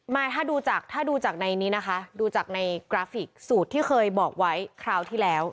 ถ้าดูจากถ้าดูจากในนี้นะคะดูจากในกราฟิกสูตรที่เคยบอกไว้คราวที่แล้ว